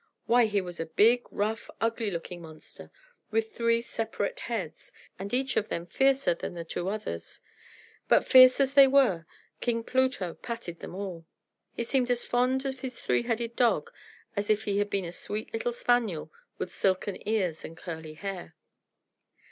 Why, he was a big, rough, ugly looking monster, with three separate heads, and each of them fiercer than the two others; but, fierce as they were, King Pluto patted them all. He seemed as fond of his three headed dog as if it had been a sweet little spaniel with silken ears and curly hair.